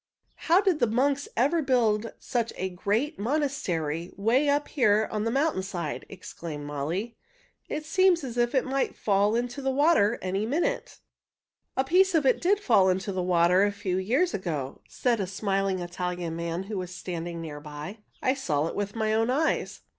"How did the monks ever build such a great monastery 'way up here on the mountain side?" exclaimed Molly. "It seems as if it might fall into the water any minute." "A piece of it did fall into the water a few years ago," said a smiling Italian man who was standing near by. "I saw it with my own eyes.